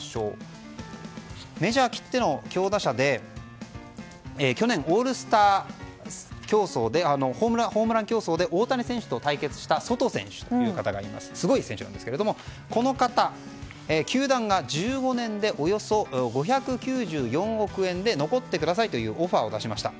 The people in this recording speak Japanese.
メジャーきっての強打者で去年オールスターホームラン競争で大谷選手と対決したソト選手という方すごい選手なんですけどこの方、球団が１５年でおよそ５９４億円で残ってくださいというオファーを出しました。